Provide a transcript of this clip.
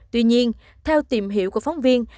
tuy nhiên theo tìm hiểu của phóng viên